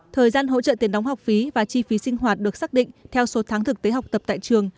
thời gian hỗ trợ tiền đóng học phí và chi phí sinh hoạt được xác định theo số tháng thực tế học tập tại trường